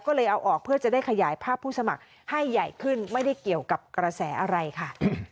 ก็เลยเอาออกเพื่อจะได้ขยายภาพผู้สมัครให้ใหญ่ขึ้นไม่ได้เกี่ยวกับกระแสอะไรค่ะ